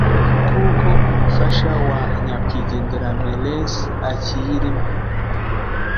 kuko umufasha wa nyakwigendera Meles akiyirimo